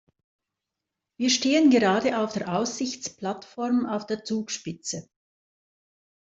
Wir stehen gerade auf der Aussichtsplattform auf der Zugspitze.